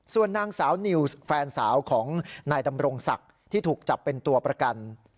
ส่วนนางสาวนิวส์แฟนสาวของนายดำรงศักดิ์ที่ถูกจับเป็นตัวประกัน